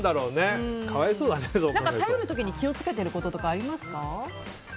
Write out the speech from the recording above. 頼る時に気を付けていることとかありますか？